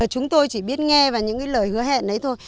chúng tôi chỉ biết nghe những lời hứa hẹn đấy thôi